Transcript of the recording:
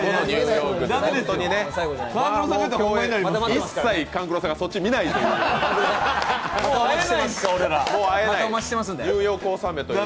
一切勘九郎さんがそっち見ないという。